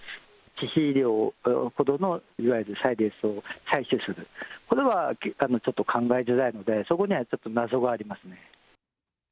致死量ほどの、いわゆるサイレースをさいしゅする、これはちょっと考えづらいので、そこにはちょっと謎がありますね。